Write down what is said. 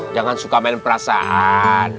jangan suka main perasaan